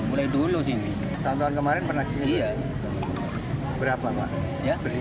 waktu itu ya setengah setengah betul itu